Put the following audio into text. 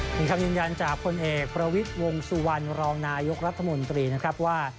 เป็นคำยืนยันจากพลเอกประวิทย์วงสุวรรณรองนายกรัฐมนตรีนะครับว่า